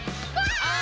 ああ！